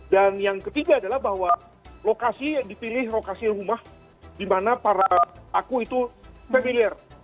dan yang ketiga adalah bahwa lokasi yang dipilih lokasi rumah di mana para aku itu familiar